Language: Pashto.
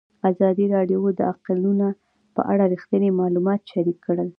ازادي راډیو د اقلیتونه په اړه رښتیني معلومات شریک کړي.